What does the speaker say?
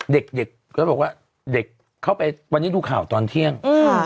เด็กก็บอกว่าเด็กเข้าไปวันนี้ดูข่าวตอนเที่ยง